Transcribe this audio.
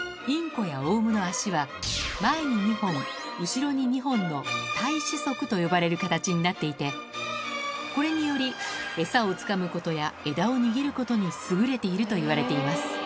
インコやオウムの足は前に２本後ろに２本の対趾足と呼ばれる形になっていてこれによりエサをつかむことや枝を握ることに優れているといわれています